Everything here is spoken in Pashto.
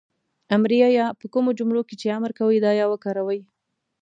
امریه "ئ" په کومو جملو کې چې امر کوی دا "ئ" وکاروئ